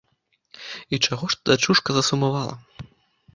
І чаго ж ты, дачушка, засумавала?